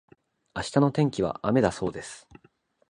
明日の天気は雨だそうです。